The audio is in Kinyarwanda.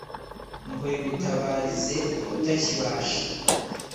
ngo rigutabarize utakibasha